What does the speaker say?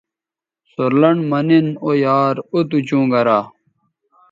سور لنڈ مہ نِن او یارااو تُو چوں گرا